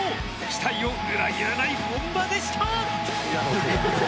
期待を裏切らない本田でした。